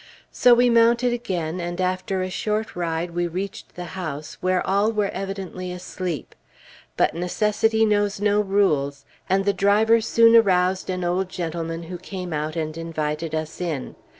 So we mounted again, and after a short ride we reached the house, where all were evidently asleep. But necessity knows no rules; and the driver soon aroused an old gentleman who came out and invited us in.